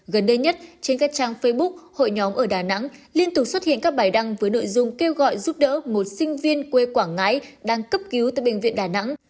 gần đây nhất trên các trang facebook hội nhóm ở đà nẵng liên tục xuất hiện các bài đăng với nội dung kêu gọi giúp đỡ một sinh viên quê quảng ngãi đang cấp cứu tại bệnh viện đà nẵng